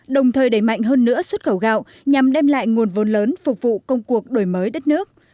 đồng thời đẩy mạnh hơn nữa xuất khẩu gạo nhằm đem lại nguồn vốn lớn phục vụ công cuộc đổi mới đất nước